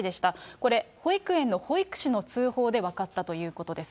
これ、保育園の保育士の通報で分かったということです。